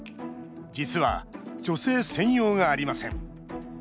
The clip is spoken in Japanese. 実は女性専用がありません。